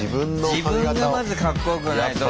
自分がまずかっこよくないと。